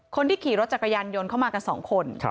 คนที่ขี่รถจักรยานยนต์เข้ามากัน๒คน